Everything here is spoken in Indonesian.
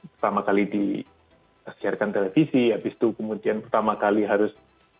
pertama kali disiarkan televisi habis itu kemudian pertama kali harus